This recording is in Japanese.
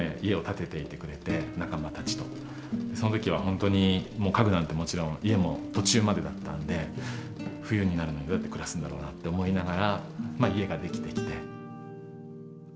その時は本当にもう家具なんてもちろん家も途中までだったんで冬になるのにどうやって暮らすんだろうなって思いながらまあ家が出来てきて。